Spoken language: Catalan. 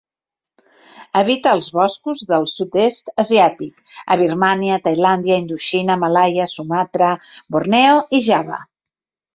Habita els boscos del Sud-est Asiàtic, a Birmània, Tailàndia, Indoxina, Malaia, Sumatra, Borneo i Java.